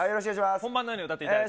本番のように歌っていただいて。